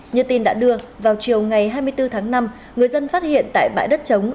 như tin đã đưa vào chiều ngày hai mươi bốn tháng năm người dân phát hiện tại bãi đất chống